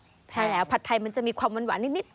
ใช่แล้วผัดไทยมันจะมีความหวานนิด